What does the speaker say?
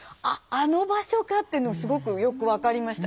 あの場所かっていうのがすごくよく分かりました。